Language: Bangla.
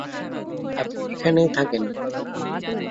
আপনি এখানেই থাকেন।